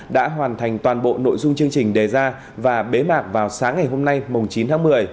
đã hoàn thành toàn bộ nội dung chương trình đề ra và bế mạc vào sáng ngày hôm nay chín tháng một mươi